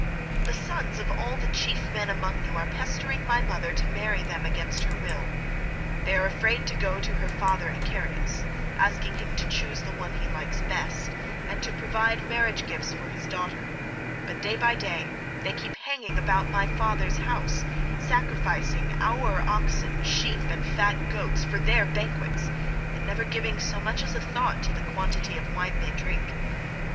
The sons of all the chief men among you are pestering my mother to marry them against her will. They are afraid to go to her father Icarius, asking him to choose the one he likes best, and to provide marriage gifts for his daughter, but day by day they keep hanging about my father's house, sacrificing our oxen, sheep, and fat goats for their banquets, and never giving so much as a thought to the quantity of wine they drink.